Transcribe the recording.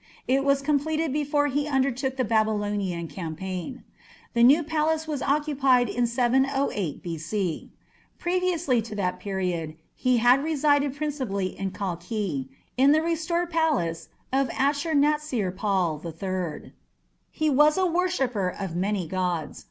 It was completed before he undertook the Babylonian campaign. The new palace was occupied in 708 B.C. Previous to that period he had resided principally at Kalkhi, in the restored palace of Ashur natsir pal III. He was a worshipper of many gods.